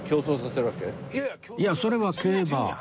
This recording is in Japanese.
いやそれは競馬